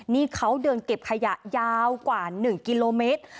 นี่เขาเดินเก็บขยะยาวกว่า๑กิโลเมตร